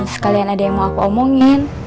sekalian ada yang mau aku omongin